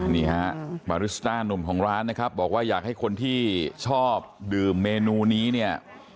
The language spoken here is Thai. นี่ฮะมาริสต้านุ่มของร้านนะครับบอกว่าอยากให้คนที่ชอบดื่มเมนูนี้เนี่ย